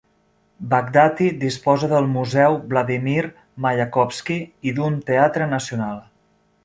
Baghdati disposa del Museu Vladimir Mayakovsky i d'un Teatre Nacional.